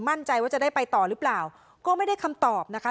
มั่นใจว่าจะได้ไปต่อหรือเปล่าก็ไม่ได้คำตอบนะคะ